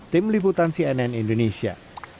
tim liputan cnn indonesia